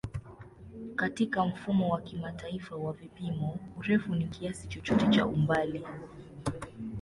Katika Mfumo wa Kimataifa wa Vipimo, urefu ni kiasi chochote cha umbali.